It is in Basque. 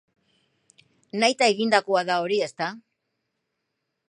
Nahita egindakoa da hori, ezta?